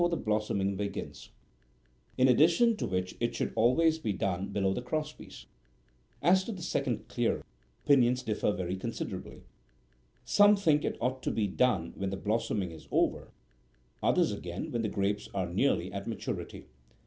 509 blossoming begins ; in addition to which, it should always be done below the cross piece. As to the second clearing, opi nions differ very considerably. Some think it ought to be done when the blossoming is over, others, again, when the grapes are nearly at maturity.